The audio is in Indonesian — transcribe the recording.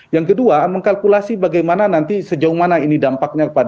yang kedua mengkalkulasi bagaimana nanti sejauh mana ini dampaknya kepada